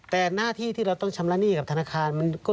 แต่หน้าที่ที่เราต้องชำระหนี้กับธนาคาร